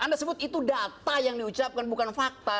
anda sebut itu data yang diucapkan bukan fakta